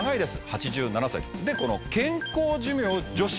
８７歳でこの健康寿命女子。